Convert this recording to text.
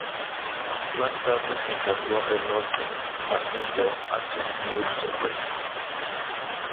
Más tarde se cambió el nombre a "Indo-Asian News Service".